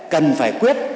cần phải quyết